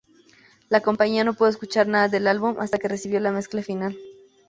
La compañía no pudo escuchar nada del álbum hasta que recibió la mezcla final.